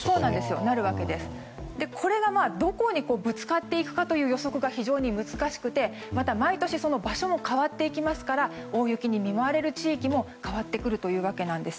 これがどこにぶつかっていくかという予測が非常に難しくて毎年場所も変わっていきますから大雪に見舞われる地域も変わってくるわけなんです。